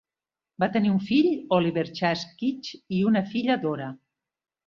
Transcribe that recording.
Van tenir un fill, Oliver Chase Quick, i una filla, Dora.